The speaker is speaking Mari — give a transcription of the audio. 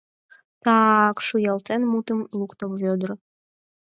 — Та-ак, — шуялтен, мутым лукто Вӧдыр.